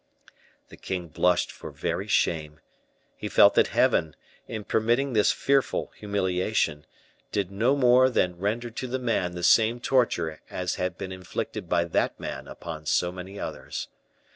The king blushed for very shame. He felt that Heaven, in permitting this fearful humiliation, did no more than render to the man the same torture as had been inflicted by that man upon so many others.